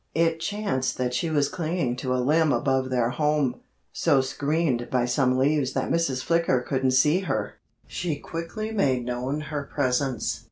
It chanced that she was clinging to a limb above their home, so screened by some leaves that Mrs. Flicker couldn't see her. She quickly made known her presence.